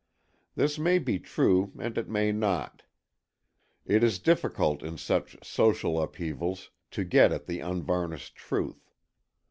This may be true and it may not. It is difficult in such social upheavals to get at the unvarnished truth.